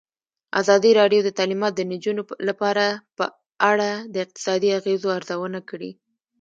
ازادي راډیو د تعلیمات د نجونو لپاره په اړه د اقتصادي اغېزو ارزونه کړې.